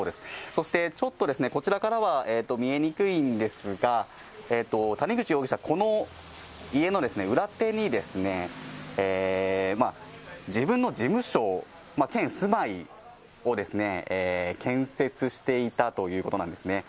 そしてちょっとこちらからは見えにくいんですが、谷口容疑者、この家の裏手に、自分の事務所兼住まいを建設していたということなんですね。